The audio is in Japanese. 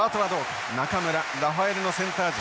中村ラファエレのセンター陣。